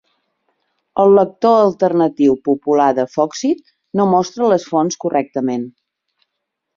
El lector alternatiu popular de Foxit no mostra les fonts correctament.